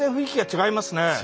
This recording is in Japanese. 違いますね。